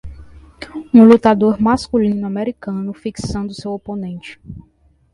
Um lutador masculino americano fixando seu oponente.